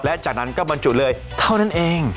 และจากนั้นก็บรรจุเลยเท่านั้นเอง